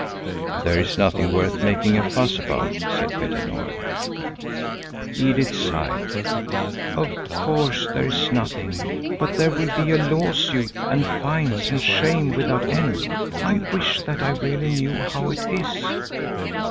"There is nothing worth making a fuss about," said Petter Nord. Edith sighed. "Of course there is nothing. But there will be a lawsuit and fines and shame without end. I wish that I really knew how it is."